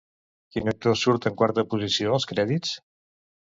Quin actor surt en quarta posició als crèdits?